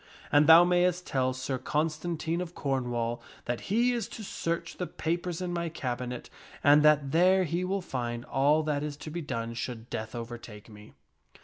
And thou mayst tell Sir Constantine of Cornwall that he is to search the papers in my cabinet, and that there he will find all that is to be done should death overtake me."